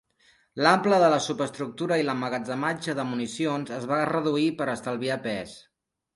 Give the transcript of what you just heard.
L'ample de la superestructura i l'emmagatzematge de municions es van reduir per estalviar pes.